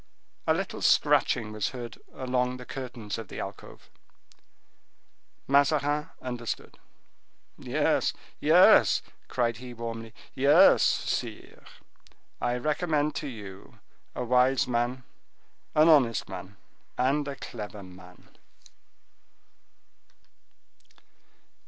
A little scratching was heard along the curtains of the alcove. Mazarin understood: "Yes, yes!" cried he, warmly, "yes, sire, I recommend to you a wise man, an honest man, and a clever man."